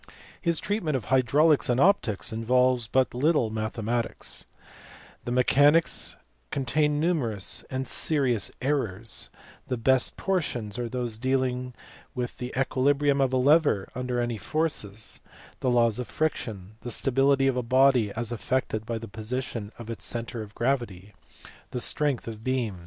His treatment of hydraulics and optics involves but little mathematics. The mechanics contain numerous and serious errors ; the best portions are those dealing with the equilibrium of a lever under any forces, the laws of friction, the stability of a body as affected by the position of its centre of gravity, the strength of beams, and * Essai sur les ouvrages physico mathdmatiques de Leonard de Vinci, by J.